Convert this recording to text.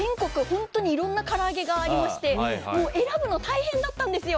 本当にいろんなから揚げがありまして選ぶの大変だったんですよ。